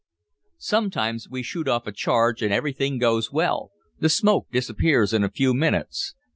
Sometimes we shoot off a charge and everything goes well, the smoke disappears in a few minutes.